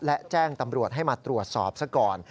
และแจ้งตำรวจให้มาตรวจสอบซะก่อน